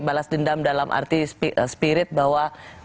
balas dendam dalam arti spirit bahwa